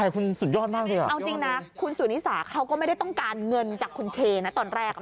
คุณสุรินิสาเขาก็ไม่ได้ต้องการเงินจากคุณเช๊น่ะตอนแรก